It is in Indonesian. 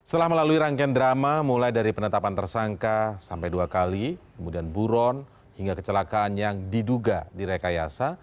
setelah melalui rangkaian drama mulai dari penetapan tersangka sampai dua kali kemudian buron hingga kecelakaan yang diduga direkayasa